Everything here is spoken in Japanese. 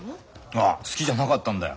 ああ好きじゃなかったんだよ。